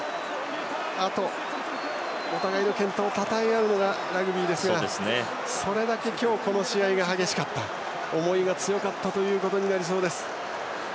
あとお互いの健闘をたたえ合うのがラグビーですがそれだけ今日、この試合が激しかった思いが強かったということになりそうです。